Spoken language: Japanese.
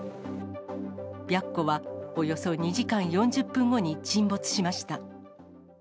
白虎はおよそ２時間４０分後に沈没しました。